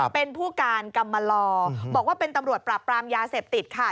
เป็นผู้การกรรมลอบอกว่าเป็นตำรวจปราบปรามยาเสพติดค่ะ